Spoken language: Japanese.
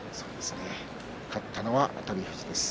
勝ったのは熱海富士です。